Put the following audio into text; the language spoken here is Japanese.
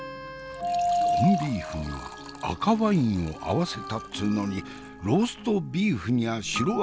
コンビーフに赤ワインを合わせたっつうのにローストビーフにゃ白ワインとな？